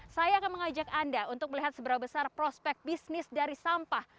saya akan mengajak anda untuk melihat seberapa besar prospek bisnis dari sampah